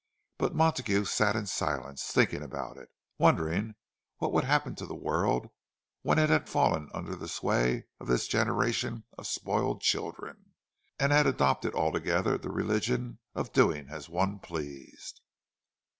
But Montague sat in silence, thinking about it—wondering what would happen to the world when it had fallen under the sway of this generation of spoiled children, and had adopted altogether the religion of doing as one pleased.